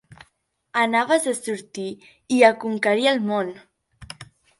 Anaves a sortir i a conquerir el món!